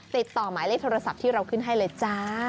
ติดต่อหมายเลขโทรศัพท์ที่เราขึ้นให้เลยจ้า